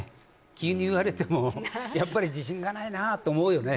急に言われてもやっぱり自信がないなと思うよね